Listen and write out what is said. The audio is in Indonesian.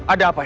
ada apa ini